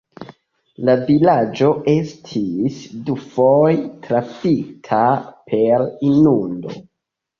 La vilaĝo estis dufoje trafita per inundo.